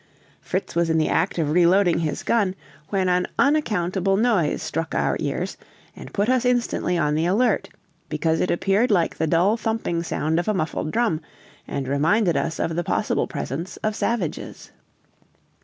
Fritz was in the act of reloading his gun, when an unaccountable noise struck our ears, and put us instantly on the alert, because it appeared like the dull thumping sound of a muffled drum, and reminded us of the possible presence of savages.